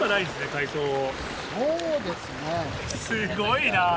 すごいな。